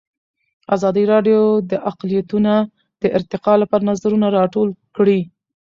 ازادي راډیو د اقلیتونه د ارتقا لپاره نظرونه راټول کړي.